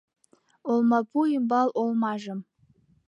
Олмапу ӱмбал олмажым